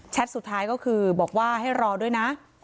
สุดท้ายก็คือบอกว่าให้รอด้วยนะ